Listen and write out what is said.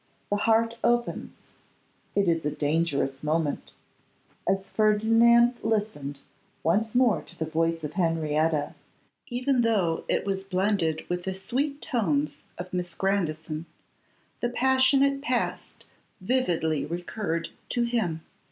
The heart opens; it is a dangerous moment. As Ferdinand listened once more to the voice of Henrietta, even though it was blended with the sweet tones of Miss Grandison, the passionate past vividly recurred to him.